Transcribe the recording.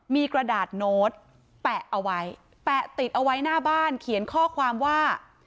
มีกระดาษโน้ตแปะเอาไว้แปะติดเอาไว้หน้าบ้านเขียนข้อความว่า